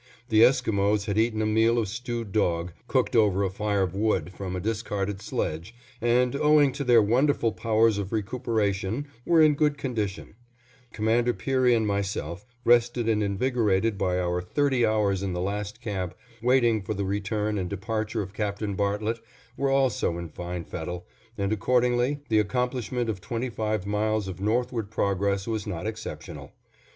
The Esquimos had eaten a meal of stewed dog, cooked over a fire of wood from a discarded sledge, and, owing to their wonderful powers of recuperation, were in good condition; Commander Peary and myself, rested and invigorated by our thirty hours in the last camp, waiting for the return and departure of Captain Bartlett, were also in fine fettle, and accordingly the accomplishment of twenty five miles of northward progress was not exceptional.